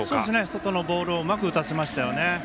外のボールをうまく打たせましたよね。